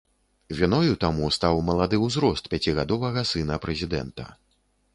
Віною таму стаў малады ўзрост пяцігадовага сына прэзідэнта.